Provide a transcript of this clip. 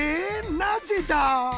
なぜだ！？